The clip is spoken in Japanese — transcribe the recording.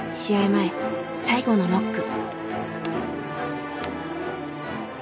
前最後のノック。